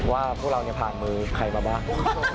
ว่าพวกเราผ่านมือใครมาบ้าง